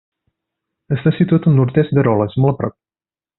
Està situat al nord-est d'Eroles, molt a prop.